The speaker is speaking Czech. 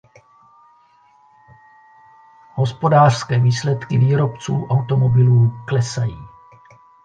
Hospodářské výsledky výrobců automobilů klesají.